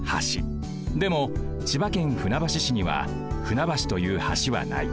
でも千葉県船橋市には船橋という橋はない。